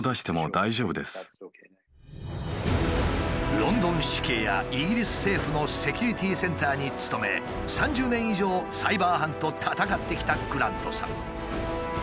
ロンドン市警やイギリス政府のセキュリティーセンターに勤め３０年以上サイバー犯と戦ってきたグラントさん。